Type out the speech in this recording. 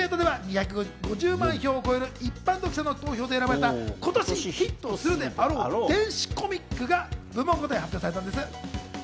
イベントでは２５０万票を超える、一般読者の投票で選ばれた今年ヒットするであろう電子コミックが部門ごとに発表されたんです。